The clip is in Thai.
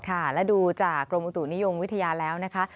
ค่ะและดูจากกรมอุตุนิยมวิทยาแล้วนะคะ